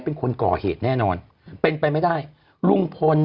ก็คือต่างงานกับพี่สาวของแม่